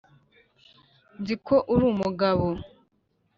Nzi ko uri umugabo,